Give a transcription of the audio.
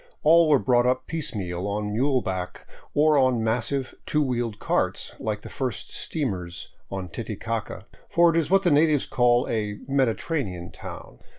All were brought up piecemeal on muleback or on massive two wheel carts, like the first steamers on Titicaca, for it is what the natives call a " mediterranean " town.